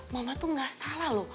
mama tuh gak salah lho